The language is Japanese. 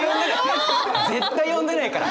絶対呼んでないから！